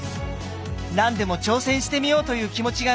何でも挑戦してみようという気持ちが芽生え